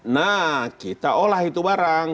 nah kita olah itu barang